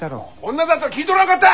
女だとは聞いとらんかった！